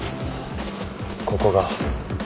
ここが。